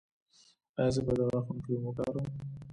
ایا زه باید د غاښونو کریم وکاروم؟